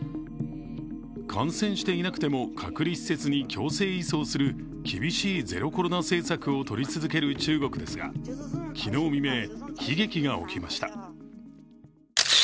感染していなくても隔離施設に強制移送する厳しいゼロコロナ政策をとり続ける中国ですが昨日未明、悲劇が起きました。